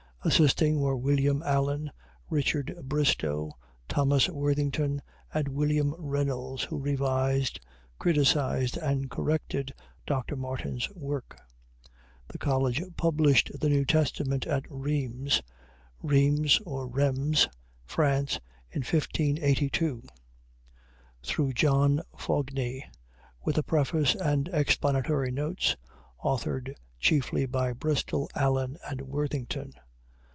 Assisting were William Allen, Richard Bristow, Thomas Worthington, and William Reynolds who revised, criticized, and corrected Dr. Martin's work. The college published the New Testament at Rheims (Reims/Rhemes), France, in 1582 through John Fogny with a preface and explanatory notes, authored chiefly by Bristol, Allen, and Worthington.